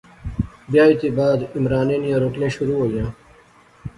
بیاہے تھی بعد عمرانے نیاں روٹیاں شروع ہوئیاں